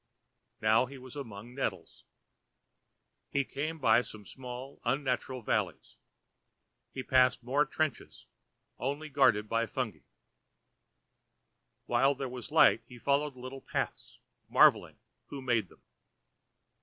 Now he was among nettles. He came by many small unnatural valleys. He passed more trenches only guarded by fungi. While it was light he followed little paths, marvelling who made them.